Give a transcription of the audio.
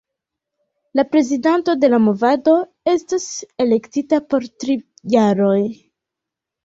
La prezidanto de la movado estas elektita por tri jaroj.